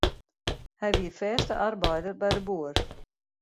Hy wie fêste arbeider by de boer.